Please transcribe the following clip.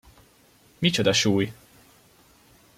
Micsoda súly!